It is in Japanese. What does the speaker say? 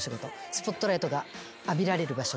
スポットライトが浴びられる場所に。